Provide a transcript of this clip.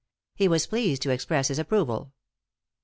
He was pleased to express his approval.